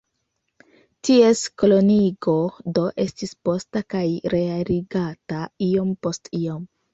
Ties koloniigo, do, estis posta kaj realigata iom post iom.